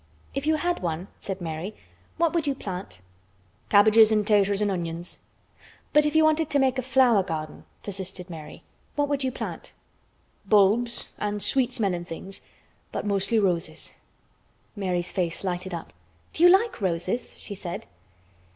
"If you had one," said Mary, "what would you plant?" "Cabbages an' 'taters an' onions." "But if you wanted to make a flower garden," persisted Mary, "what would you plant?" "Bulbs an' sweet smellin' things—but mostly roses." Mary's face lighted up. "Do you like roses?" she said.